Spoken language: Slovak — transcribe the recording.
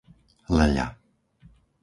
Leľa